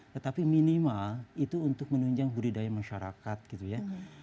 tetapi minimal itu untuk menunjang budidaya masyarakat gitu ya